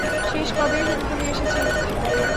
শেষ কবে এখানে এসেছিলি তুই?